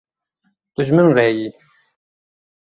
Tu ji min re yî.